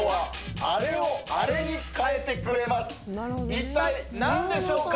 一体何でしょうか？